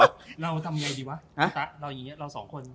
เราทำยังไงดีวะเราอย่างงี้เราสองคน